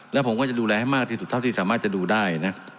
แล้วผมก็จะดูแลให้มากที่สุดเท่าที่สามารถจะดูได้นะ